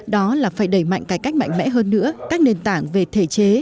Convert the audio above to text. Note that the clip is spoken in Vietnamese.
đó là phải đẩy mạnh cải cách mạnh mẽ hơn nữa các nền tảng về thể chế